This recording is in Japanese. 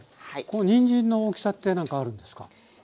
このにんじんの大きさって何かあるんですか？